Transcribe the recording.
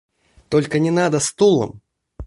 Только не надо стулом!